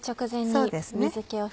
そうですね。